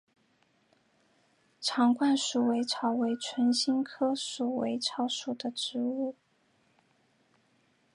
长冠鼠尾草为唇形科鼠尾草属的植物。